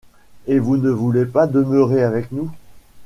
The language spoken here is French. Et vous ne voulez pas demeurer avec nous !